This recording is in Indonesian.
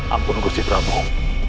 ampun gusti prabowo